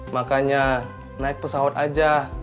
makanya naik pesawat aja